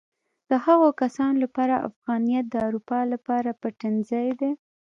د هغو کسانو لپاره افغانیت د اروپا لپاره پټنځای دی.